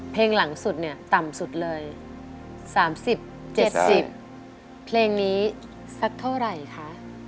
เพลงหลังสุดเนี่ยต่ำสุดเลยสามสิบเจ็ดสิบเพลงนี้สักเท่าไรคะ